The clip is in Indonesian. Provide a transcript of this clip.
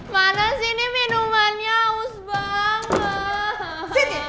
mana sih ini minumannya haus banget